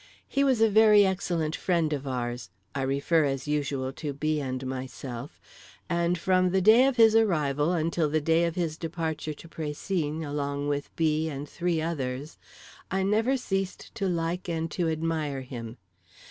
He was a very excellent friend of ours—I refer as usual to B. and myself—and from the day of his arrival until the day of his departure to Précigne along with B. and three others I never ceased to like and to admire him.